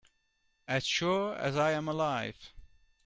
As sure as I am alive.